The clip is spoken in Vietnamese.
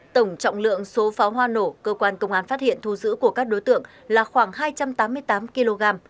tổng trọng lượng số pháo hoa nổ cơ quan công an phát hiện thu giữ của các đối tượng là khoảng hai trăm tám mươi tám kg